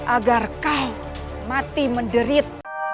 agar kau mati menderit